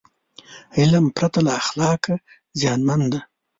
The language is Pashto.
علم پرته له اخلاقه زیانمن دی.